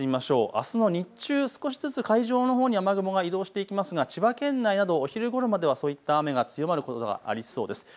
あすの日中、少しずつ海上のほうに雨雲が移動していきますが千葉県内などお昼ごろまではそういった雨が強まることがありそうです。